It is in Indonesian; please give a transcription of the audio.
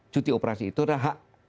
cuti operasi itu adalah hak